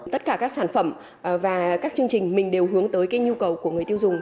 tất cả các sản phẩm và các chương trình mình đều hướng tới cái nhu cầu của người tiêu dùng